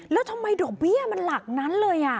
แล้วทำไมดอกเบี้ยมันหลักนั้นเลย